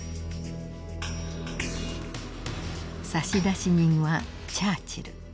差出人はチャーチル。